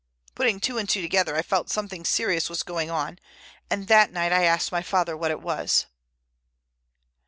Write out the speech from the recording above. Putting two and two together I felt something serious was going on, and that night I asked my father what it was."